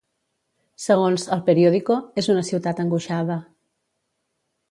Segons 'El Periódico', és una ciutat angoixada.